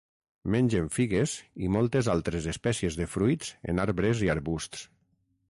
Mengen figues i moltes altres espècies de fruits en arbres i arbusts.